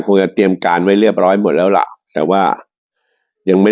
คงจะเตรียมการไว้เรียบร้อยหมดแล้วล่ะแต่ว่ายังไม่